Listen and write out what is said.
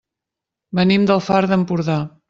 Venim del Far d'Empordà.